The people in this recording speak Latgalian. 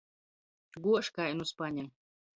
Guož kai nu spaņa.